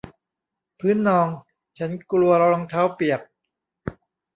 พื้นนอง ฉันกลัวรองเท้าเปียก